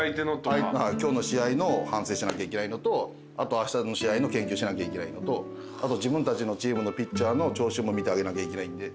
今日の試合の反省しなきゃいけないのとあとあしたの試合の研究しなきゃいけないのとあと自分たちのチームのピッチャーの調子も見てあげなきゃいけないんで。